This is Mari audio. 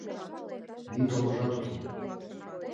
Йӱд омыжат уке.